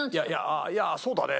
「ああいやそうだね。